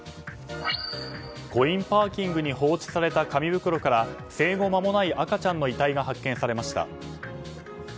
コインパーキングに放置された紙袋から生後まもない赤ちゃんの遺体が発見されました。